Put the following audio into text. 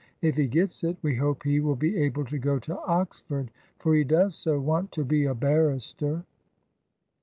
If he gets it, we hope he will be able to go to Oxford, for he does so want to be a barrister."